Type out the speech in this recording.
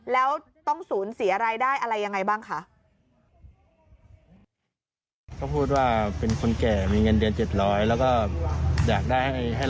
แล้วต้องสูญเสียรายได้อะไรยังไงบ้างคะ